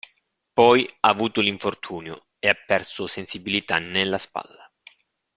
Poi ha avuto l'infortunio e ha perso sensibilità nella spalla.